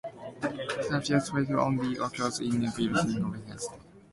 Chiral fermions only occur in even spacetime dimensions.